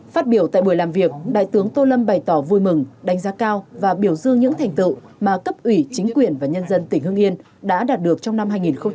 phát biểu tại buổi làm việc đại tướng tô lâm bày tỏ vui mừng đánh giá cao và biểu dương những thành tựu mà cấp ủy chính quyền và nhân dân tỉnh hương yên đã đạt được trong năm hai nghìn một mươi tám